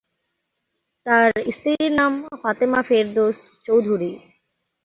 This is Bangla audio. তাঁর স্ত্রীর নাম ফাতেমা ফেরদৌস চৌধুরী।